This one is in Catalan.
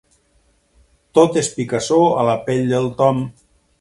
Tot és picassor a la pell del Tom.